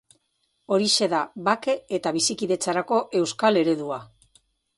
Horixe da bake eta bizikidetzarako euskal eredua.